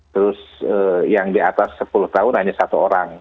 terus yang di atas sepuluh tahun hanya satu orang